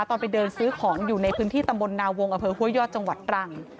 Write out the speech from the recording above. ตอนไปเดินซื้อของอยู่ในพื้นที่ตำบลนาวงอำเภอห้วยยอดจังหวัดตรัง